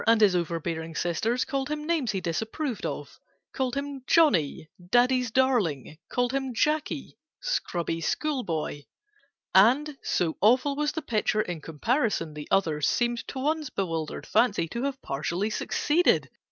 And his overbearing sisters Called him names he disapproved of: Called him Johnny, 'Daddy's Darling,' Called him Jacky, 'Scrubby School boy.' And, so awful was the picture, In comparison the others Seemed, to one's bewildered fancy, To have partially succeeded.